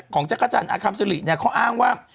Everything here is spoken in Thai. ของจักรจันทร์อคัมศิริเขาอ้างว่า